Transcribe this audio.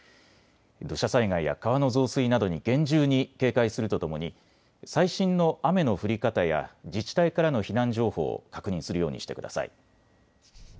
土砂災害や川の増水などに厳重に警戒するとともに最新の雨の降り方や自治体からの避難情報を確認するようにしてください。